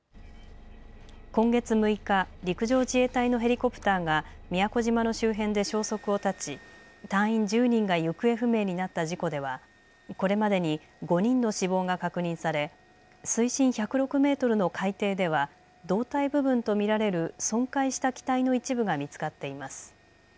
今月６日、陸上自衛隊のヘリコプターが宮古島の周辺で消息を絶ち、隊員１０人が行方不明になった事故ではこれまでに５人の死亡が確認され水深１０６メートルの海底では胴体部分と見られる損壊した機体の一部が見つかっています。